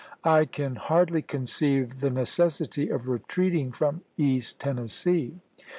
.. I can hardly conceive the necessity of retreating from East Tennessee.